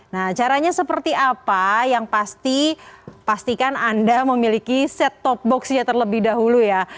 nah caranya seperti apa yang pasti pastikan anda memiliki set top boxnya terlebih dahulu ya